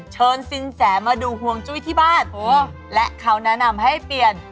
เชิญสินแสมาดูห่วงจุ้ยที่บ้านและเขาแนะนำให้เปลี่ยน